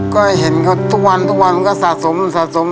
ก็เห็นเขาทุกวันทุกวันมันก็สะสมสะสม